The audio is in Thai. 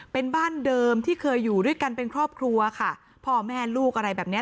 เป็นบ้านเดิมที่เคยอยู่ด้วยกันเป็นครอบครัวค่ะพ่อแม่ลูกอะไรแบบเนี้ย